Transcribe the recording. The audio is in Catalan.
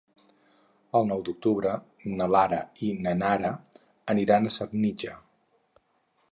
El nou d'octubre na Lara i na Nara aniran a Senija.